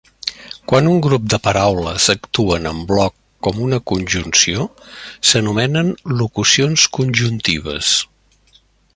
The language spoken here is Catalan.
Quan un grup de paraules actuen en bloc com una conjunció s'anomenen locucions conjuntives.